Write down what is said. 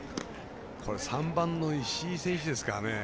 ３番の石井選手ですからね。